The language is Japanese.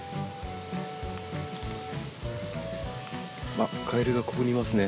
あっカエルがここにいますね。